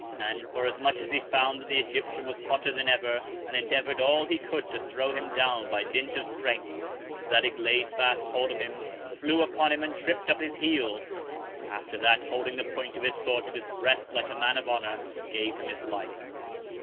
And forasmuch as he found that the Egyptian was hotter than ever, and endeavour'd all he could to throw him down by Dint of Strength, Zadig laid fast hold of him, flew upon him, and tripp'd up his Heels: After that, holding the Point of his Sword to his Breast, like a Man of Honour, gave him his Life.